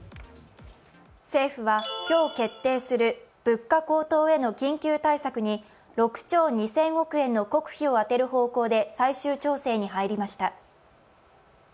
政府は今日決定する物価高騰への緊急対策に６兆２０００億円の国費を充てる方向で最終調整に入りました。